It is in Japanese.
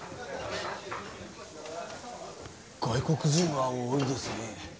外国人が多いですね